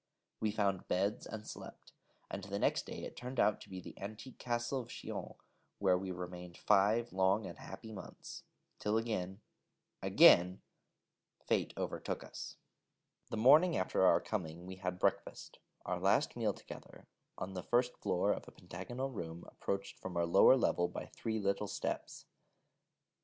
We found beds, and slept: and the next day it turned out to be the antique Castle of Chillon, where we remained five long and happy months, till again, again, Fate overtook us. The morning after our coming, we had breakfast our last meal together on the first floor in a pentagonal room approached from a lower level by three little steps.